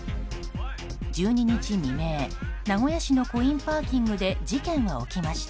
１２日未明名古屋市のコインパーキングで事件は起きました。